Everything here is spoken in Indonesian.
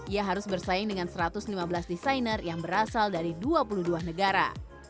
ia harus bersaing dengan satu ratus lima belas desainer yang berasal dari dua puluh dua negara